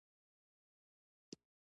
په دې غونډې کې د متحدو ایالتونو